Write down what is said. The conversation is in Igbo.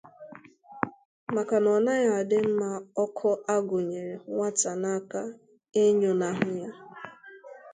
maka na ọ naghị adị mma ọkụ a gụnyere nwata n'aka ịnyụnahụ ya.